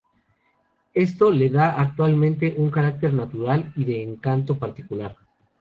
Esto le da actualmente un carácter natural y un encanto particular.